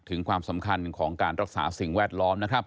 ถึงความสำคัญของการรักษาสิ่งแวดล้อม